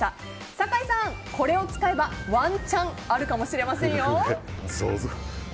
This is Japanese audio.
酒井さん、これを使えばワンチャンあるかもしれませんよ。